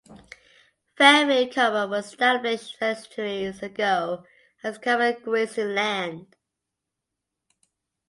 Fairfield Common was established centuries ago as common grazing land.